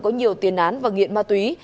có nhiều tiền án và nghiện ma túy